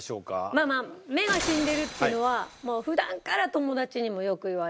まあまあ目が死んでるっていうのは普段から友達にもよく言われる。